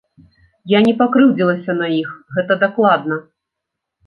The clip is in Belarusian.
Я не пакрыўдзілася на іх, гэта дакладна.